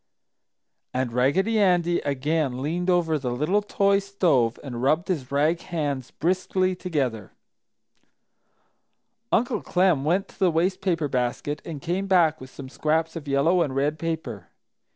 And Raggedy Andy again leaned over the little toy stove and rubbed his rag hands briskly together. Uncle Clem went to the waste paper basket and came back with some scraps of yellow and red paper.